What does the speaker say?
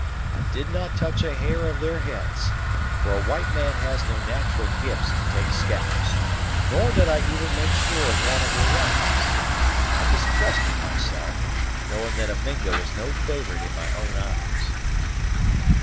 I did not touch a hair of their heads, for a white man has no nat'ral gifts to take scalps; nor did I even make sure of one of their rifles. I distrusted myself, knowing that a Mingo is no favorite in my own eyes."